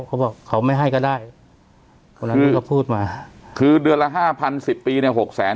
เขาบอกว่าเขาไม่ให้ก็ได้คือเดือนละ๕๐๐๐๑๐ปี๖แสน